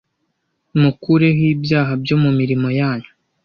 mukureho ibyaha byo mu mirimo yanyu